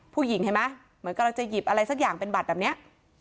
ผู้หญิงเห็นไหมเหมือนกำลังจะหยิบอะไรสักอย่างเป็นบัตรแบบนี้